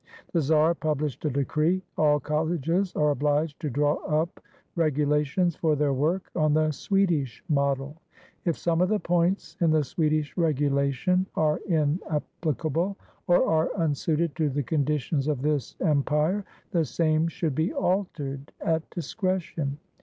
The czar published a de cree: "All colleges are obliged to draw up regulations for their work on the Swedish model. If some of the points in the Swedish regulation are inapplicable, or are un suited to the conditions of this empire, the same should be altered at discretion."